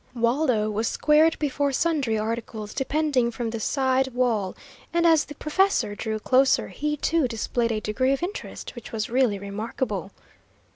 Waldo was squared before sundry articles depending from the side wall, and as the professor drew closer, he, too, displayed a degree of interest which was really remarkable.